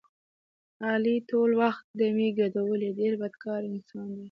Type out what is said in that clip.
علي ټول وخت ډمې ګډولې ډېر بدکاره انسان دی.